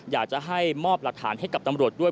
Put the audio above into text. อยากจะให้มอบหลักฐานให้กับตำรวจด้วย